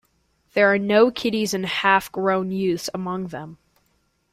There are no kiddies and half grown youths among them.